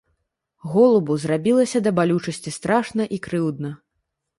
Голубу зрабілася да балючасці страшна і крыўдна.